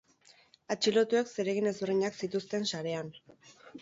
Atxilotuek zeregin ezberdinak zituzten sarean.